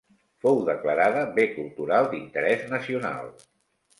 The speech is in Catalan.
Fou declarada bé cultural d'interès nacional.